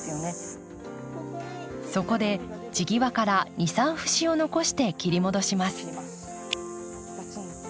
そこで地際から２３節を残して切り戻します。